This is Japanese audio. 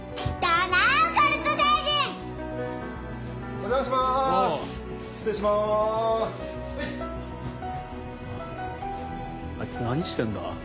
あいつ何してんだ？